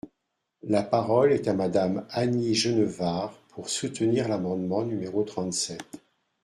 La parole est à Madame Annie Genevard, pour soutenir l’amendement numéro trente-sept.